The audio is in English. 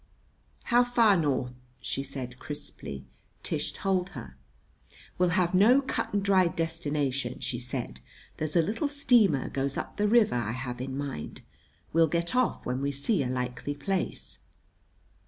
"How far north?" she said crisply. Tish told her. "We'll have no cut and dried destination," she said. "There's a little steamer goes up the river I have in mind. We'll get off when we see a likely place."